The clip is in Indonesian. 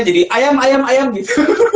jadi ayam ayam ayam gitu